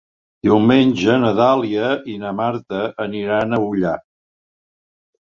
Diumenge na Dàlia i na Marta aniran a Ullà.